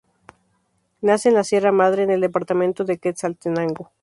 Nace en la Sierra Madre en el departamento de Quetzaltenango.